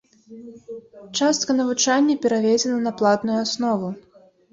Частка навучання пераведзена на платную аснову.